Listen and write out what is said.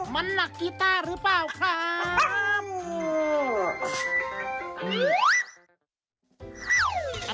มันหลักกีต้าหรือเปล่าครับ